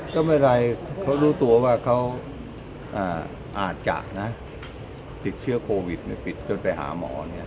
ก็ไม่เป็นไรเขารู้ตัวว่าเขาอาจจะติดเชื้อโควิดปิดจนไปหาหมอ